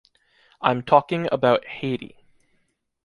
I'm talking about Haiti.